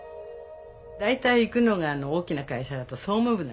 大体行くのが大きな会社だと総務部なんですよね。